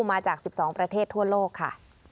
มาจาก๑๒ประเทศทั่วโลกค่ะ